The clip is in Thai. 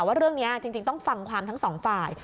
ว่าเรื่องนี้จริงต้องฟังความทั้งสองฝ่าย